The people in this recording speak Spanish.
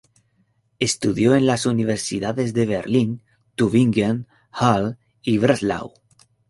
Estudió en las universidades de Berlín, Tübingen, Halle y Breslau.